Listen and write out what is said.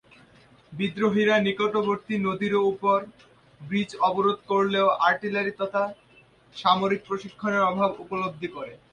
বিদ্রোহীরা নিকটবর্তী নদীর উপর ব্রিজ অবরোধ করলেও আর্টিলারি তথা সামরিক প্রশিক্ষণের অভাব উপলব্ধি করে।